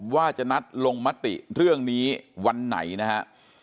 ว่าจะนัดลงมติเรื่องนี้วันไหนนะฮะ